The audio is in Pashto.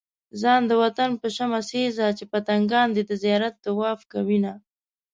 ځان د وطن په شمع سيزه چې پتنګان دې د زيارت طواف کوينه